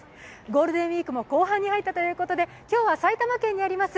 ゴールデンウイークも後半に入ったということで今日は埼玉県にあります